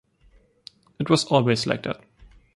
It was always like that.